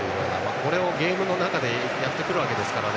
これをゲームの中でやってくるわけですからね。